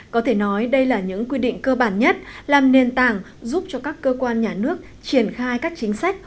có thể nói đây là những quy định cơ bản nhất làm nền tảng giúp cho các cơ quan nhà nước triển khai các chính sách